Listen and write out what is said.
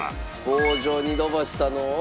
棒状に伸ばしたのを。